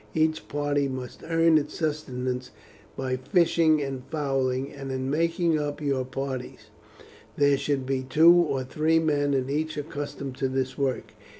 Each party must earn its sustenance by fishing and fowling; and in making up your parties, there should be two or three men in each accustomed to this work.